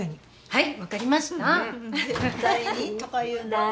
はい。